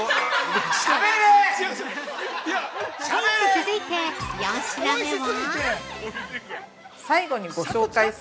◆続いて４品目は？